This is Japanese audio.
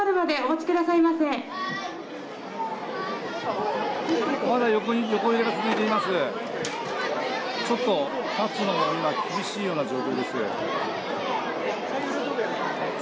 ちょっと、立つのも今、厳しいような状況です。